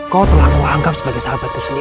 kau telah aku anggap sebagai sahabatku sendiri